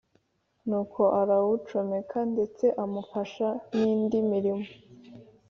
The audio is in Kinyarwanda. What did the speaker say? nuko arawucomeka ndetse amufasha n‘indi mirimo